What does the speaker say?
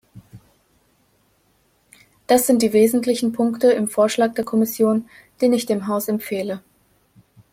Das sind die wesentlichen Punkte im Vorschlag der Kommission, den ich dem Haus empfehle.